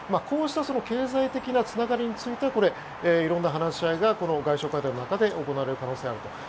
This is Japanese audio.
こうした経済的なつながりについては色んな話し合いが外相会談の中で行われる可能性があると。